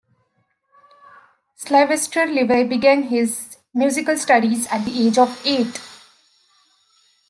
Sylvester Levay began his musical studies at the age of eight.